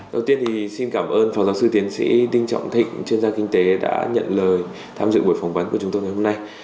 đầu tiên thì xin cảm ơn phó giáo sư tiến sĩ đinh trọng thịnh chuyên gia kinh tế đã nhận lời tham dự buổi phỏng vấn của chúng tôi ngày hôm nay